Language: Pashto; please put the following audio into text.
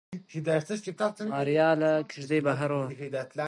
ماريا له کېږدۍ بهر ووته.